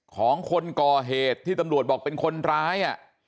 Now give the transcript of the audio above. ของคนก่อเหตุที่ตำรวจบอกเป็นคนร้าย